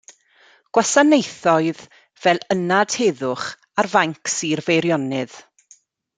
Gwasanaethodd fel Ynad Heddwch ar fainc Sir Feirionnydd.